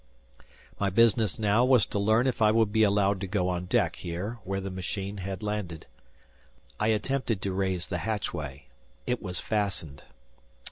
My business now was to learn if I would be allowed to go on deck here where the machine had landed. I attempted to raise the hatchway. It was fastened.